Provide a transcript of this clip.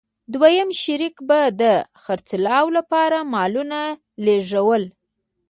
دویم شریک به د خرڅلاو لپاره مالونه لېږدول